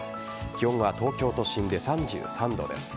気温は東京都心で３３度です。